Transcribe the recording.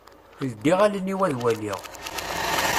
Ldiɣ allen-iw ad waliɣ.